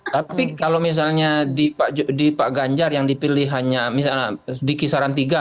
tapi kalau misalnya di pak ganjar yang dipilih hanya misalnya di kisaran tiga